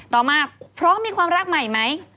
ต่อมาพร้อมมีความรักใหม่ไหม